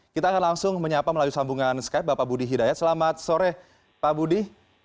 kita akan langsung menyapa melalui sambungan skype bapak budi hidayat selamat sore pak budi